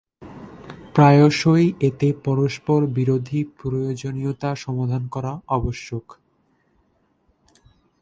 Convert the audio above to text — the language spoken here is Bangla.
প্রায়শই, এতে পরস্পরবিরোধী প্রয়োজনীয়তা সমাধান করা আবশ্যক।